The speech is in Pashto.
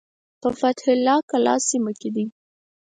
په فتح الله کلا سیمه کې دی.